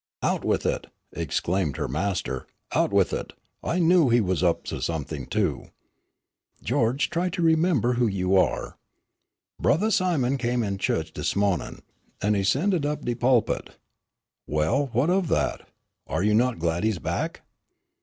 "Out with it," exclaimed her master, "out with it, I knew he was up to something, too." "George, try to remember who you are." "Brothah Simon come in chu'ch dis mo'nin' an' he 'scended up de pulpit " "Well, what of that, are you not glad he is back?"